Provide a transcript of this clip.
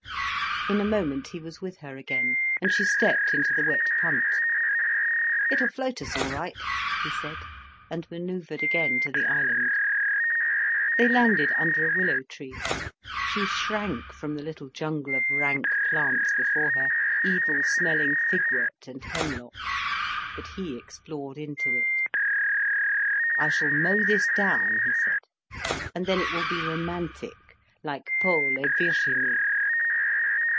In a moment he was with her again, and she stepped into the wet punt. "It'll float us all right," he said, and manœuvred again to the island. They landed under a willow tree. She shrank from the little jungle of rank plants before her, evil smelling figwort and hemlock. But he explored into it. "I shall mow this down," he said, "and then it will be romantic—like Paul et Virginie."